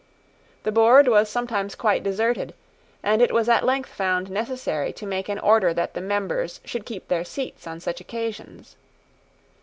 The board was sometimes quite deserted: and it was at length found necessary to make an order that the members should keep their seats on such occasions.